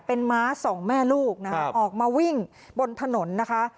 เป็นม้าสองแม่ลูกนะคะออกมาวิ่งบนถนนนะคะ